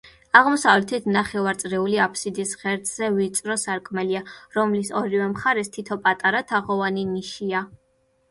აღმოსავლეთით, ნახევარწრიულ აბსიდის ღერძზე, ვიწრო სარკმელია, რომლის ორივე მხარეს თითო პატარა, თაღოვანი ნიშია.